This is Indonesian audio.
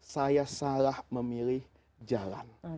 saya salah memilih jalan